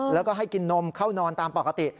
แล้วก็ให้กินนมเข้านอนตามปกติ